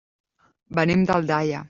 Venim d'Aldaia.